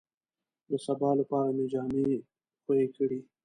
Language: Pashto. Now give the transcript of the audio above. د سبا لپاره مې جامې خوې کړې.